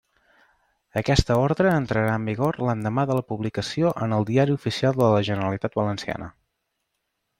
Aquesta orde entrara en vigor l'endemà de la publicació en el Diari Oficial de la Generalitat Valenciana.